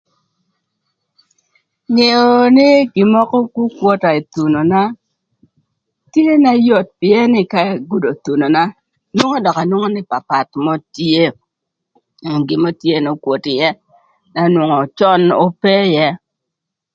Ngeo nï gin mökö kwokwota ï thunona tye na yot, pïën nï ka agudo thunona nwongo dök anwongo nï papath mörö tye gin mörö tye n'okwot ïë na nonwongo cön ope ïë.